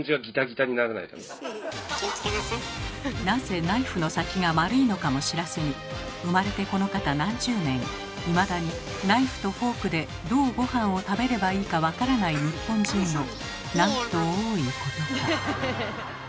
なぜナイフの先が丸いのかも知らずに生まれてこのかた何十年いまだにナイフとフォークでどうごはんを食べればいいか分からない日本人のなんと多いことか。